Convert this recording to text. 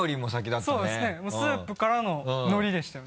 もうスープからの海苔でしたよね。